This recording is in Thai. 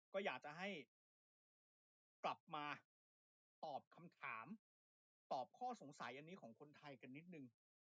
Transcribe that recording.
ก็อยากจะให้ทุกคนกลับมาตอบคำถามตอบข้อสงสัยอันนี้ของคนไทยกันนิดนึง